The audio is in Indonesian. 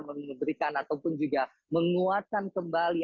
memberikan ataupun juga menguatkan kembali